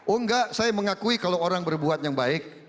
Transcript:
oh enggak saya mengakui kalau orang berbuat yang baik